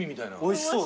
おいしそう。